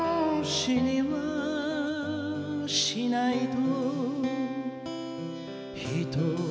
「死にはしないと」